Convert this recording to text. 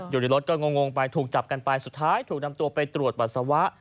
อยู่ในรถก็งงไปถูกจับกันไปสุดท้ายถูกนำตัวไปตรวจปัสสาวะ